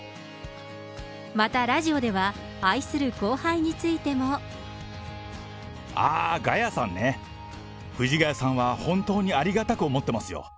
またラジオでは愛する後輩についあー、ガヤさんね、藤ヶ谷さんは本当にありがたく思ってますよ。